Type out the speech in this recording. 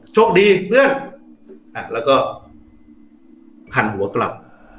โชคดีเพื่อนแล้วก็หันหัวกลับ